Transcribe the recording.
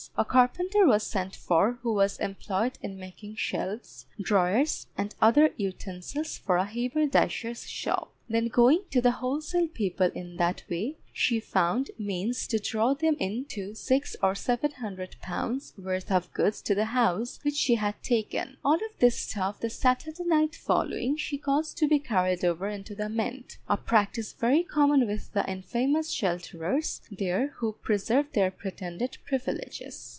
A carpenter was sent for, who was employed in making shelves, drawers, and other utensils for a haberdasher's shop. Then going to the wholesale people in that way, she found means to draw them in to six or seven hundred pounds worth of goods to the house which she had taken. All of this stuff the Saturday night following, she caused to be carried over into the Mint, a practice very common with the infamous shelterers there who preserve their pretended privileges.